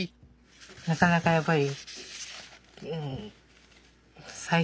なかなかやっぱり。